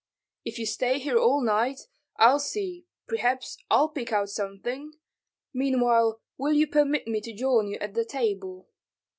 "If you stay here all night, I'll see, perhaps I'll pick out something. Meanwhile will you permit me to join you at the table?"